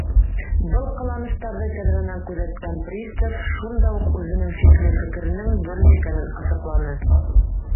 Был ҡыланыштарҙы тәҙрәнән күҙәткән пристав шунда уҡ үҙенең шикле фекеренең дөрөҫ икәнен асыҡланы.